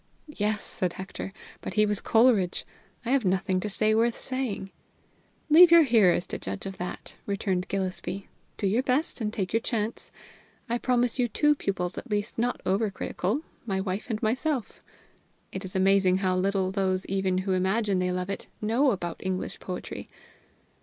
"Yes," said Hector, "but he was Coleridge. I have nothing to say worth saying." "Leave your hearers to judge of that," returned Gillespie. "Do your best, and take your chance. I promise you two pupils at least not over critical my wife and myself. It is amazing how little those even who imagine they love it know about English poetry."